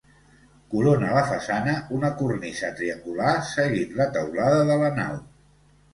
Corona la façana una cornisa triangular seguint la teulada de la nau.